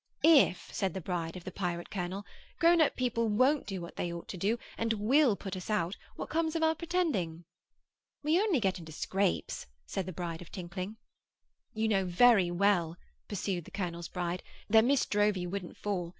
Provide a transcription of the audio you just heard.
'If,' said the bride of the pirate colonel, 'grown up people WON'T do what they ought to do, and WILL put us out, what comes of our pretending?' 'We only get into scrapes,' said the bride of Tinkling. 'You know very well,' pursued the colonel's bride, 'that Miss Drowvey wouldn't fall.